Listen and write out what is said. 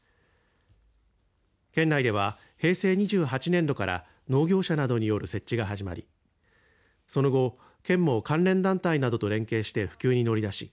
県内では、平成２８年度から農業者などによる設置が始まりその後、県も関連団体などと連携して普及に乗り出し